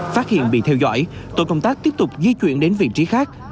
phát hiện bị theo dõi tổ công tác tiếp tục di chuyển đến vị trí khác